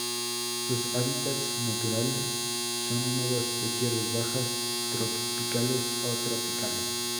Sus hábitats naturales son húmedos de tierras bajas subtropicales o tropicales.